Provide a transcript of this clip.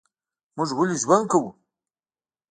موږ ولي ژوند کوو؟